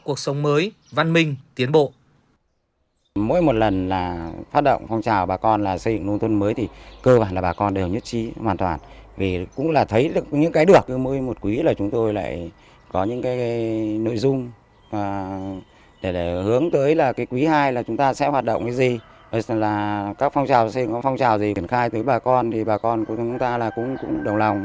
cuộc sống mới văn minh tiến bộ